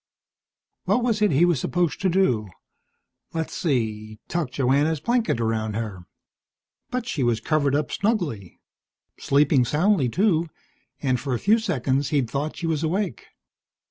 What was it he was supposed to do? Let's see Tuck Joanna's blanket around her. But she was covered up snugly. Sleeping soundly, too, and for a few seconds he'd thought she was awake.